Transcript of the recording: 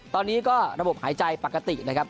ตอนนี้ก็ระบบหายใจปกตินะครับ